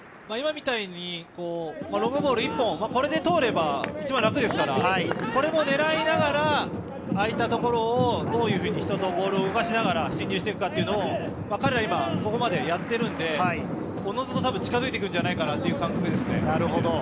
今みたいにロングボール１本、これで通れば一番楽ですから、これも狙いながら、あいた所をどういうふうに人とボールを動かしながら進入して行くかっていうのを彼らここまでやってるので、おのずと多分近づいてくるんじゃないかなという感覚です。